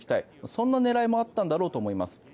そんな狙いもあったんだろうと思います。